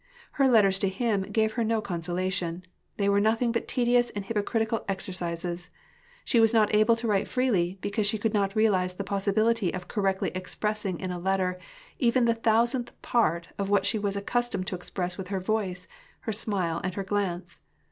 Her letters to him gave her no consolation ; they were noth ing but tedious and hypocritical exercises. She was not able to write freely, because she could not realize the possibility of correctly expressing in a letter even the thousandth part of what she was accustomed to express with her voice, her smile, and her glance.